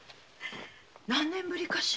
何年ぶりかしら？